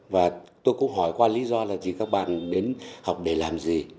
và tôi cũng hỏi qua lý do là gì các bạn đến học để làm gì